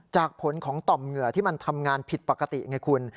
จากผลของต่อมเหงื่อที่มันทำงานผิดปกติไงคุณ